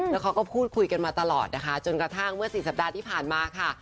แล้วเขาก็พูดคุยกันมาตลอดนะคะจนกระทั่งเมื่อ๔สัปดาห์ที่ผ่านมาค่ะ